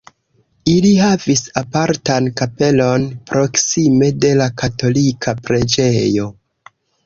Ili havis apartan kapelon proksime de la katolika preĝejo.